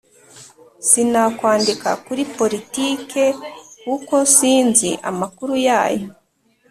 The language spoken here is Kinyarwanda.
Sinakwandika kuri politike kuko sinzi amakuru yayo